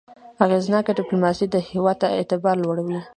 اغېزناکه ډيپلوماسي د هېواد اعتبار لوړوي.